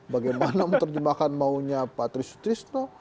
bagaimana menerjemahkan maunya patrice trisno